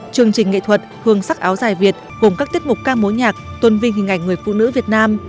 chương trình nghệ thuật hương sắc áo dài việt gồm các tiết mục ca mối nhạc tôn vinh hình ảnh người phụ nữ việt nam